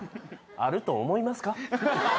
あると思いますか？